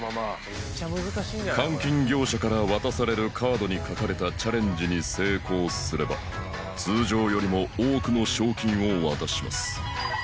換金業者から渡されるカードに書かれたチャレンジに成功すれば通常よりも多くの賞金を渡します